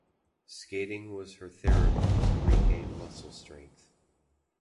Skating was her therapy to regain muscle strength.